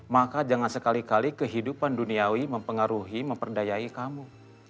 maka jangan sekali kali kehidupan duniawi mempengaruhi memperdayai kamu